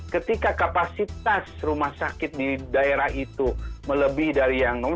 ketika kapasitas rumah sakit di daerah itu melebih dari yang